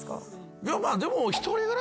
いやまあでも。